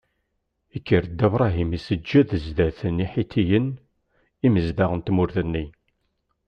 Ikker Dda Bṛahim iseǧǧed zdat n Iḥitiyen, imezdaɣ n tmurt-nni.